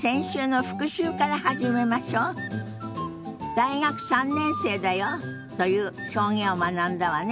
「大学３年生だよ」という表現を学んだわね。